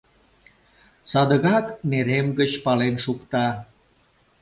Садыгак нерем гыч пален шукта.